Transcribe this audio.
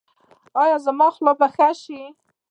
ایا زما خوله به ښه شي؟